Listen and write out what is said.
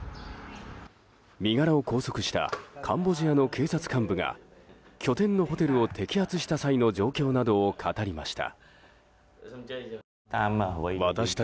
身柄を拘束したカンボジアの警察幹部が拠点のホテルを摘発した際の状況などを語りました。